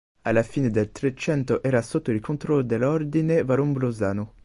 Alla fine del Trecento era sotto il controllo dell'Ordine Vallombrosano.